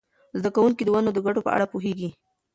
زده کوونکي د ونو د ګټو په اړه پوهیږي.